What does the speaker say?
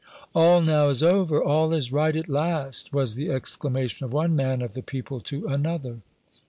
"All now is over all is right at last!" was the exclamation of one man of the people to another.